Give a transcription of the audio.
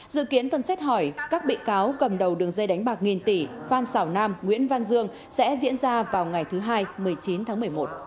dự kiến phần xét hỏi các bị cáo cầm đầu đường dây đánh bạc nghìn tỷ phan xảo nam nguyễn văn dương sẽ diễn ra vào ngày thứ hai một mươi chín tháng một mươi một